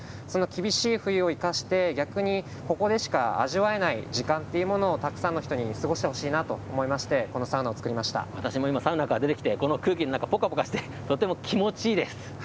その厳しい冬を生かして、逆にここでしか味わえない時間というものをたくさんの人に過ごしてほしいなと思いまして、このサウナを私も今、サウナから出てきてこの空気の中、ぽかぽかして、とっても気持ちいいです。